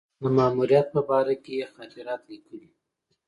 د ماموریت په باره کې یې خاطرات لیکلي.